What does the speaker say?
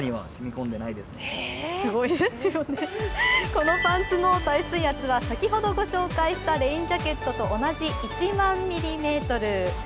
このパンツの耐水圧は先ほどご紹介したレインジャケットと同じ１万ミリメートル。